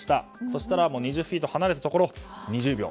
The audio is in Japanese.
そしたら２０フィート離れたところを２０秒。